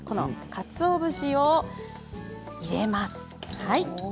かつお節を入れます。